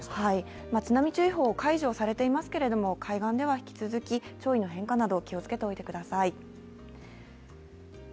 津波注意報、解除されていますけれども、海岸では引き続き潮位の変化など気をつけておいてください。